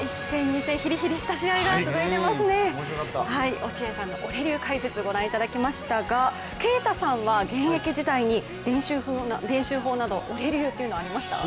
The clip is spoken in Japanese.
落合さんのオレ流解説ご覧いただきましたが啓太さんは現役時代に練習法など、オレ流というのはありました？